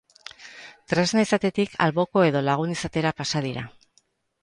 Tresna izatetik alboko edo lagun izatera pasa dira.